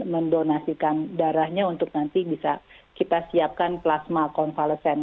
mendonasikan darahnya untuk nanti bisa kita siapkan plasma konvalesen